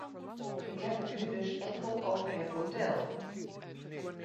Ik heb het nu dus enkel over het model.